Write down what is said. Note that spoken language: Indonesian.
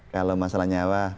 kalau masalah nyawa